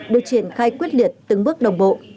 được triển khai quyết liệt từng bước đồng bộ